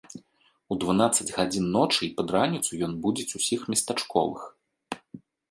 У дванаццаць гадзін ночы і пад раніцу ён будзіць усіх местачковых.